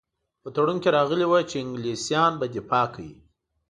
په تړون کې راغلي وو چې انګلیسیان به دفاع کوي.